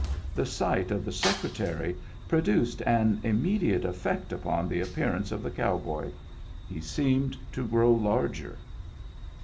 The sight of the Secre tary produced an immediate effect upon the ap pearance of the cow boy. He seemed to grow larger.